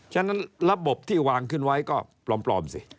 ฉะนั้นระบบที่วางขึ้นไว้ก็ปลอมสิ